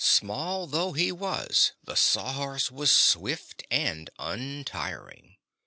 Small though he was, the Sawhorse was swift and untiring.